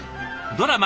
ドラマ